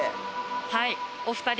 はい。